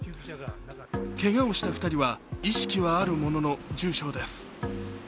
けがをした２人は意識はあるものの、重傷です。